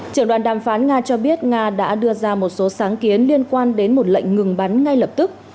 trưởng đoàn đàm phán nga cho biết nga đã đưa ra một số sáng kiến liên quan đến một lệnh ngừng bắn ngay lập tức